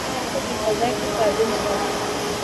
الوتکه په فضا کې تعادل ساتي.